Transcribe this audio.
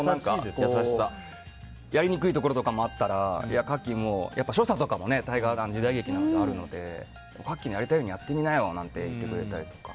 やりにくいところとかあったら所作とかも時代劇なのであるのでカッキーのやりたいようにやってみなよって言ってくれたりとか。